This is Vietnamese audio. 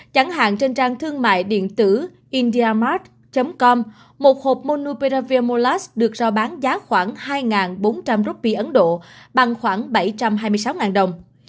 chẳng hạn trên trang thương mại điện tử indiamart com một hộp monupiravir molass được rao bán giá khoảng hai bốn trăm linh rupi ấn độ bằng khoảng bảy trăm hai mươi sáu đồng